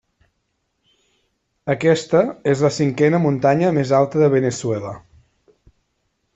Aquesta és la cinquena muntanya més alta de Veneçuela.